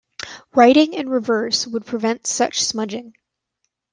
Writing in reverse would prevent such smudging.